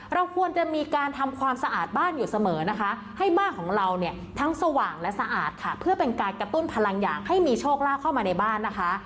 เราควรจะมีการทำความสะอาดบ้านอยู่เสมอนะคะให้บ้านของเราเนี่ยทั้งสว่างและสะอาดค่ะเพื่อเป็นการกระตุ้นพลังอย่างให้มีโชคลาภเข้ามาในบ้านนะคะ